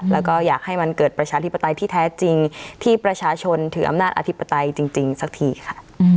แล้วก็อยากให้มันเกิดประชาธิปไตยที่แท้จริงที่ประชาชนถืออำนาจอธิปไตยจริงสักทีค่ะ